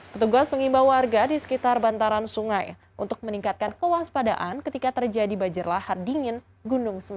petugas mengimbau warga di sekitar bantaran sungai untuk meningkatkan kewaspadaan ketika terjadi banjir lahar dingin gunung semeru